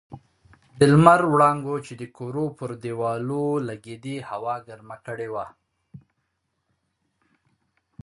د لمر وړانګو چې د کورو پر دېوالو لګېدې هوا ګرمه کړې وه.